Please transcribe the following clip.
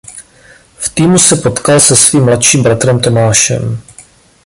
V týmu se potkal se svým mladším bratrem Tomášem.